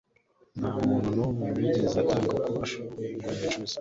Nta muntu n'umwe wigeze atanga uko ashoboye ngo yicuze.” - George Halas